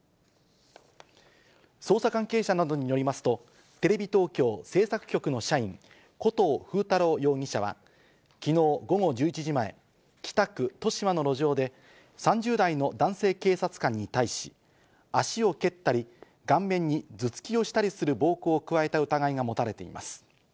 捜査関係者などによりますと、テレビ東京制作局の社員、古東風太郎容疑者は、きのう午後１１時前、北区豊島の路上で、３０代の男性警察官に対し、足を蹴ったり、顔面に頭突きをしたりする暴行を加えた疑いが持たれています。